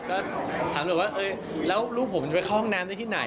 ก็ถามหน่อยว่าแล้วลูกผมจะไปเข้าห้องน้ำได้ที่ไหน